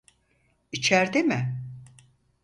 İçerde mi?